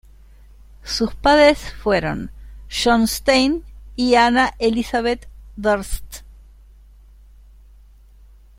Sus padres fueron John Stein y Anna Elizabeth Durst.